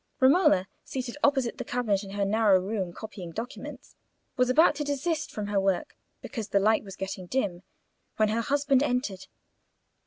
Romola, seated opposite the cabinet in her narrow room, copying documents, was about to desist from her work because the light was getting dim, when her husband entered.